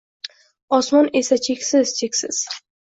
Osmon esa cheksiz-cheksiz…